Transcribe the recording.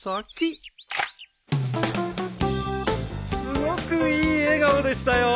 すごくいい笑顔でしたよ。